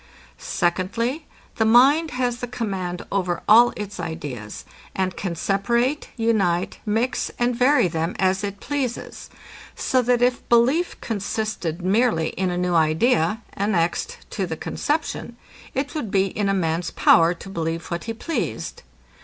Secondly, The mind has the command over all its ideas, and can separate, unite, mix, and vary them, as it pleases; so that if belief consisted merely in a new idea, annexed to the conception, it would be in a man's power to believe what he pleased.